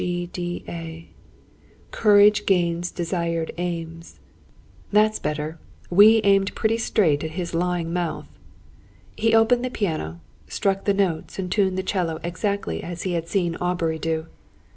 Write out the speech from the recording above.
C, G, D, A. 'Courage gains desired aims.' That's better! We aimed pretty straight at his lying mouth." He opened the piano, struck the notes, and tuned the 'cello exactly as he had seen Aubrey do.